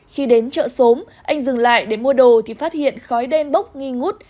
khi đến chợ xóm anh dừng lại để mua đồ thì phát hiện khói đen bốc nghi ngút